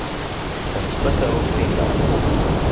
Ḥbes takeṛṛust-inna.